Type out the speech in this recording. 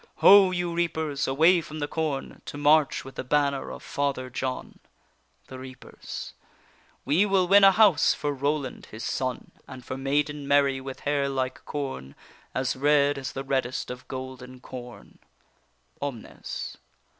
Ho, you reapers, away from the corn, To march with the banner of Father John! THE REAPERS. We will win a house for Roland his son, And for maiden Mary with hair like corn, As red as the reddest of golden corn. OMNES.